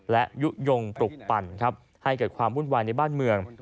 และยุโยงปลุกปั่นครับให้เกิดความวุ่นวายในบ้านเมือง